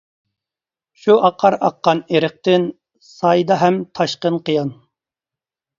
شۇ ئاقار ئاققان ئېرىقتىن، سايدا ھەم تاشقىن قىيان.